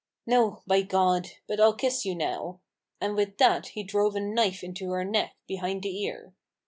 "No, by God! but I'll kiss you now!" and with that he drove a knife into her neck, behind the ear.